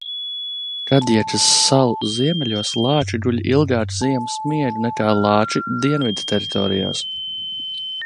Kadjakas salu ziemeļos lāči guļ ilgāk ziemas miegu nekā lāči dienvidteritorijās.